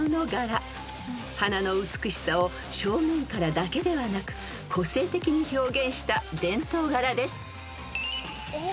［花の美しさを正面からだけではなく個性的に表現した伝統柄です］ということはえっ？